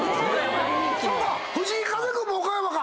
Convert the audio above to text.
あっ藤井風君も岡山か！